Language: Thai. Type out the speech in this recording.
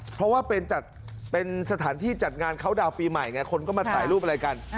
เพราะว่าเป็นสถานที่จัดงานเขาดาวน์ปีใหม่ไงคนก็มาถ่ายรูปอะไรกัน